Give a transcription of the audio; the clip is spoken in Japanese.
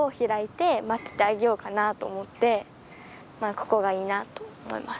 ここがいいなと思います。